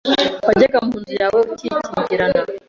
wajyaga munzu yawe ukikingirana?”